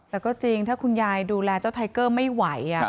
แต่ก็จริงถ้าคุณยายดูแลเจ้าไทเกอร์ไม่ไหว